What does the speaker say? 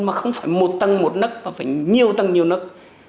mà không phải một tầng một nấc mà phải nhiều tầng nhiều nấc